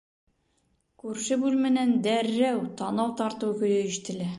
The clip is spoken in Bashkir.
Күрше бүлмәнән дәррәү танау тартыу көйө ишетелә.